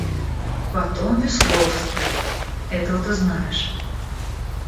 Потом Весловский... этого ты знаешь.